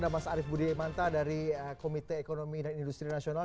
mas arief bud stolen di komite ekonomi dan industri nasional